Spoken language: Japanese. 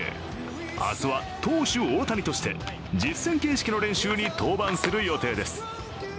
明日は投手大谷として実戦形式の練習に登板する予定です。